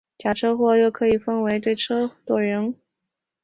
假车祸又可以分为车对车或人对车。